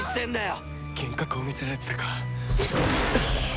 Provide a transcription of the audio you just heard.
幻覚を見せられてたか。